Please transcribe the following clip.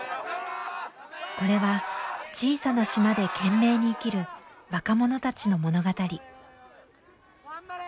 これは小さな島で懸命に生きる若者たちの物語。